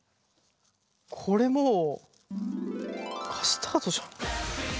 これもうカスタードじゃん。